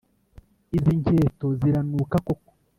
Izi nketo ziranuka koko